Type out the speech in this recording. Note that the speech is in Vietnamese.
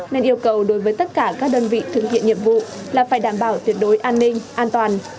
nên yêu cầu đối với tất cả các đơn vị thực hiện nhiệm vụ là phải đảm bảo tuyệt đối an ninh an toàn